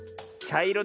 ちゃいろ？